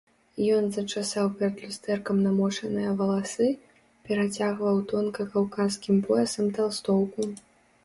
Ён зачасаў перад люстэркам намочаныя валасы, перацягваў тонка каўказскім поясам талстоўку.